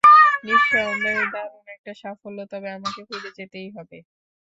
নিঃসন্দেহে দারুণ একটা সাফল্য, তবে আমাকে ফিরে যেতেই হবে!